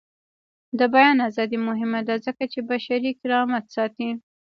د بیان ازادي مهمه ده ځکه چې بشري کرامت ساتي.